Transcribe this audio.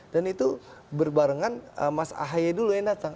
dan itu berbarengan mas ahaye dulu yang datang